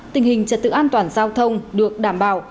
tình hình trật tự an toàn giao thông được đảm bảo